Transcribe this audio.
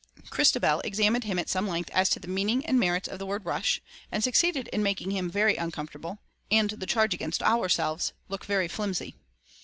Christabel examined him at some length as to the meaning and merits of the word rush, and succeeded in making him very uncomfortable and the charge against ourselves look very flimsy.